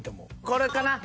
これかな。